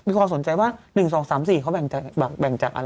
ความสนใจว่า๑๒๓๔เขาแบ่งจากอะไร